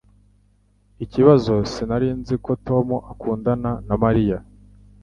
Ikibazo sinari nzi ko Tom akundana na Mariya.